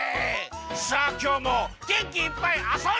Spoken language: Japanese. さあきょうもげんきいっぱいあそんじゃうぞ！